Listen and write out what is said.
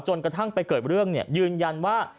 กระทั่งไปเกิดเรื่องยืนยันว่า